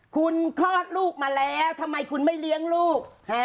คุณคลอดลูกมาแล้วทำไมคุณไม่เลี้ยงลูก